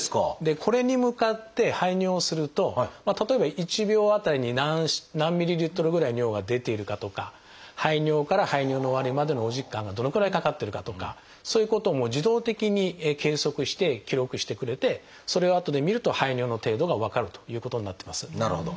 これに向かって排尿すると例えば１秒当たりに何ｍＬぐらい尿が出ているかとか排尿から排尿の終わりまでのお時間がどのくらいかかってるかとかそういうことを自動的に計測して記録してくれてそれをあとで見ると排尿の程度が分かるということになってます。